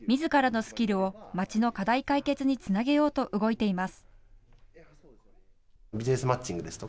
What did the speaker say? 今、みずからのスキルを街の課題解決につなげようと動いています。